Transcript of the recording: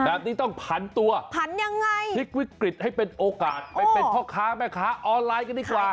แบบนี้ต้องผันตัวผันยังไงพลิกวิกฤตให้เป็นโอกาสไปเป็นพ่อค้าแม่ค้าออนไลน์กันดีกว่า